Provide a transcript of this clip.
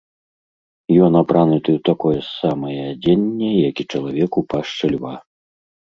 Ён апрануты ў такое ж самае адзенне, як і чалавек у пашчы льва.